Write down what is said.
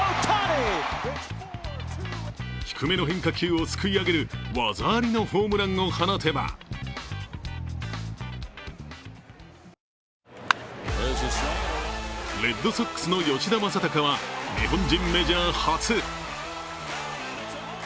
低めの変化球をすくい上げる技ありのホームランを放てばレッドソックスの吉田正尚は日本人メジャー初！